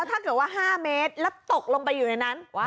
ถ้าเกิด๕เมตรตกลงไปอยู่ในนั้น